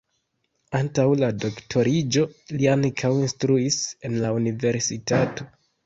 Antaŭ la doktoriĝo li ankaŭ instruis en la universitato.